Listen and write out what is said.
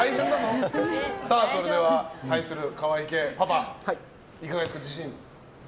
対する河井家パパいかがですか、自信。